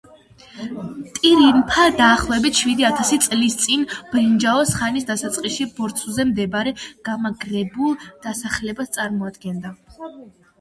ტირინფა დაახლოებით შვიდი ათასი წლის წინ, ბრინჯაოს ხანის დასაწყისში, ბორცვზე მდებარე გამაგრებულ დასახლებას წარმოადგენდა.